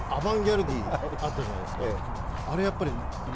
アバンギャルディ、あったじゃないですか。